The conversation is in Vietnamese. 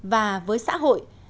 và với xã hội